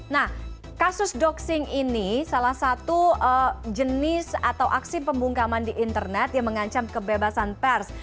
nah kasus doxing ini salah satu jenis atau aksi pembungkaman di internet yang mengancam kebebasan pers